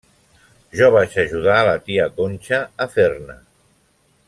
Jo vaig ajudar la Tia Conxa a fer-ne.